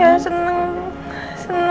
ya seneng seneng